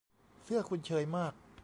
เสื้อคุณเชยมาก